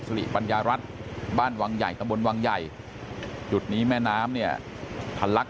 ริปัญญารัฐบ้านวังใหญ่ตำบลวังใหญ่จุดนี้แม่น้ำเนี่ยทะลัก